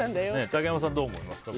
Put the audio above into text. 竹山さん、どう思いますか？